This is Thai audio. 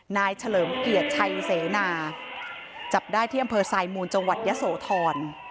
เฉลิมเกียรติชัยเสนาจับได้ที่อำเภอไซมูลจังหวัดยะโสธร